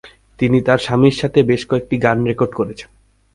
তিনি তার স্বামীর সাথে বেশ কয়েকটি গান রেকর্ড করেছেন।